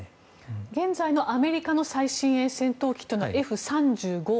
現在のアメリカの最新鋭戦闘機というのはＦ３５。